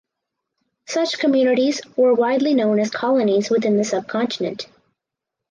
Such communities are widely known as "colonies" within the subcontinent.